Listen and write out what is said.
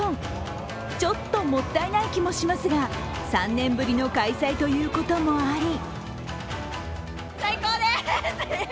ちょっともったいない気もしますが、３年ぶりの開催ということもあり